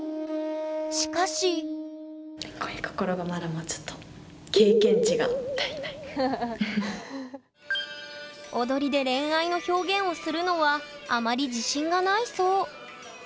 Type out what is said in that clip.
しかし踊りで恋愛の表現をするのはあまり自信がないそう。